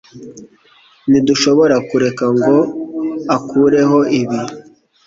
Ntidushobora kureka ngo akureho ibi